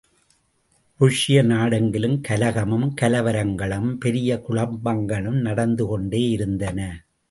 ருஷ்ய நாடெங்கிலும் கலகமும், கலவரங்களும் பெரிய குழப்பங்களும் நடந்து கொண்டே இருந்தன!